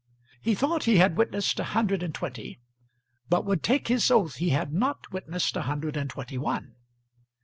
He thought he had witnessed a hundred and twenty, but would take his oath he had not witnessed a hundred and twenty one.